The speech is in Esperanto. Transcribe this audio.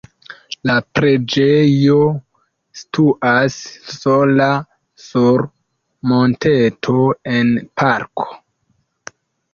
La preĝejo situas sola sur monteto en parko.